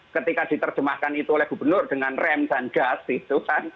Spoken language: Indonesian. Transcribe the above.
ketika diterjemahkan itu oleh gubernur dengan rem dan gas itu kan